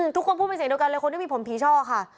ทุกคนพูดเป็นเสียงเดียวกันเลยคนที่มีผมผีช่อค่ะ